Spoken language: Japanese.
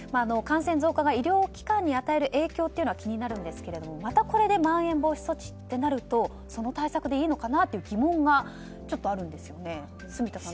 感染増加が医療機関に与える影響も気になるんですけれどもまたこれでまん延防止措置となるとその対策でいいのかなという疑問がちょっとあるんですよね。